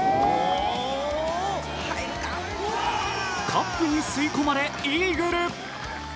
カップに吸い込まれ、イーグル。